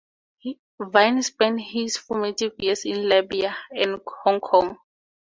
Vine spent his formative years in Libya and Hong Kong.